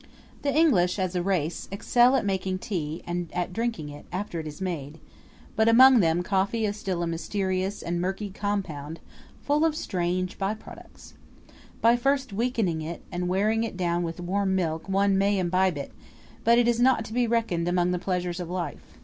The English, as a race, excel at making tea and at drinking it after it is made; but among them coffee is still a mysterious and murky compound full of strange by products. By first weakening it and wearing it down with warm milk one may imbibe it; but it is not to be reckoned among the pleasures of life.